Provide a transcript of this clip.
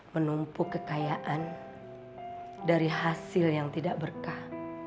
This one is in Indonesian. menumpuk kekayaan dari hasil yang tidak berkah